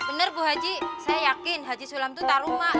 bener bu aji saya yakin aji sulam tuh tak rumah